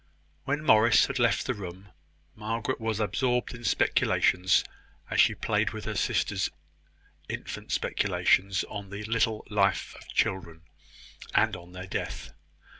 When Morris had left the room, Margaret was absorbed in speculations, as she played with her sister's infant speculations on the little life of children, and on their death.